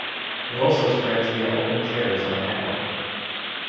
It also spreads via open shares on a network.